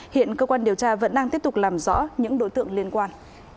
hiện cơ quan điều tra vẫn đang tiếp tục làm rõ những đối tượng liên quan